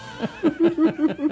フフフフ。